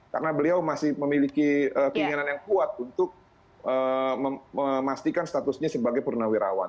karena beliau masih memiliki keinginan yang kuat untuk memastikan statusnya sebagai purnawirawan